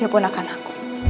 dia pun akan aku